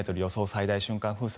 最大瞬間風速。